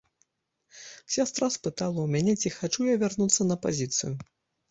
Сястра спыталася ў мяне, ці хачу я вярнуцца на пазіцыю.